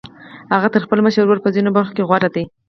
هغه تر خپل مشر ورور په ځينو برخو کې غوره دی.